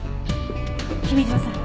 君嶋さん